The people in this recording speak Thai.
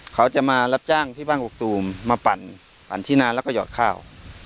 เขาจะมารับจ้างที่บ้านกกตูมมาปั่นที่นานแล้วก็หยอดข้าว